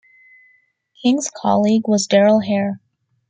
King's colleague was Darrell Hair.